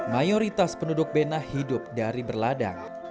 mayoritas penduduk bena hidup dari berladang